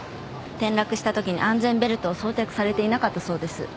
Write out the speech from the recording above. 転落したときに安全ベルトを装着されていなかったそうです。